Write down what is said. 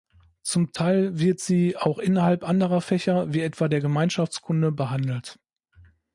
Zum Teil wird sie auch innerhalb anderer Fächer, wie etwa der Gemeinschaftskunde, behandelt.